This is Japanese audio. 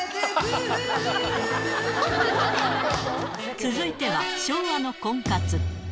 続いては、昭和の婚活。